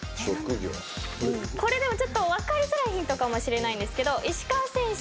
これちょっと分かりづらいヒントかもしれないんですけど石川選手